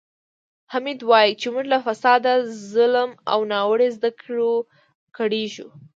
حامد وایي چې موږ له فساد، ظلم او ناوړه زده کړو کړېږو.